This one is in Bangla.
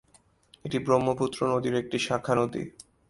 এটি ব্রহ্মপুত্র নদীর একটি শাখা নদী।